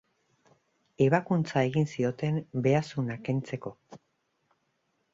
Ebakuntza egin zioten behazuna kentzeko.